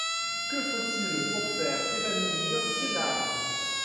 Que faut-il pour faire évanouir ces larves?